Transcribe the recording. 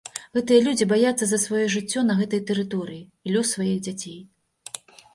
Гэтыя людзі баяцца за сваё жыццё на гэтай тэрыторыі і лёс сваіх дзяцей.